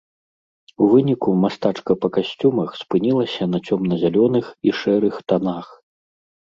У выніку мастачка па касцюмах спынілася на цёмна-зялёных і шэрых танах.